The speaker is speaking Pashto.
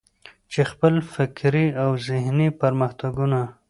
چې خپل فکري او ذهني پرمختګونه.